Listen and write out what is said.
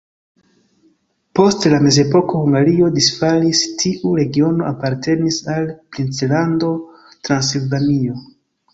Post la mezepoko Hungario disfalis, tiu regiono apartenis al princlando Transilvanio.